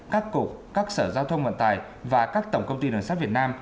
các cục các sở giao thông vận tải và các tổng công ty đường sắt việt nam